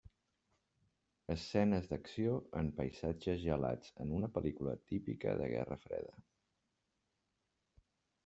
Escenes d'acció en paisatges gelats en una pel·lícula típica de guerra freda.